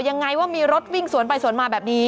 ยังไงว่ามีรถวิ่งสวนไปสวนมาแบบนี้